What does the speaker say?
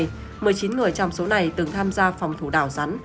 một mươi chín người trong số này từng tham gia phòng thủ đảo rắn